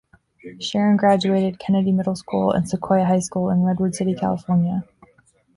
Sharon graduated Kennedy Middle School and Sequoia High School in Redwood City, California.